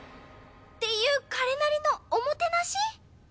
っていう彼なりのおもてなし？